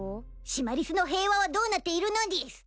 シマリスの平和はどうなっているのでぃす。